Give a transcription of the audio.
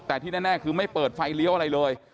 แต่ที่แน่คือไม่เปิดไฟเลี้ยวอะไรเลย